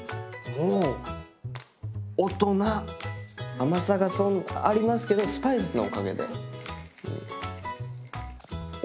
甘さがありますけどスパイスのおかげでうん。